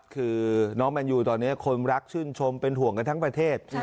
คือน้องแมนยูตอนนี้คนรักชื่นชมเป็นห่วงกันทั้งประเทศ